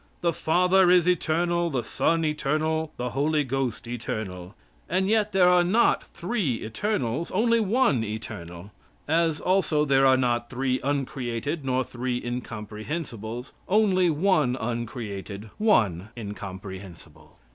"The Father is eternal, the Son eternal, the Holy Ghost eternal," and yet there are not three eternals, only one eternal, as also there are not three uncreated, nor three incomprehensibles, only one uncreated, one incomprehensible.